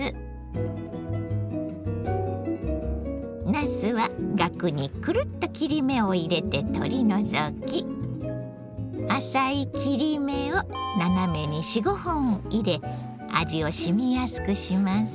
なすはガクにくるっと切り目を入れて取り除き浅い切り目を斜めに４５本入れ味をしみやすくします。